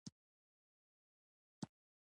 د ځمکې لاندې اوبه مالګینې شوي؟